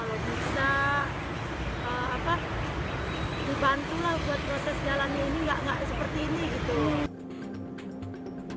harapannya kalau bisa dibantu buat proses jalan ini